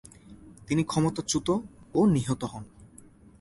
তিনি ক্ষমতাচ্যুত ও নিহত হন।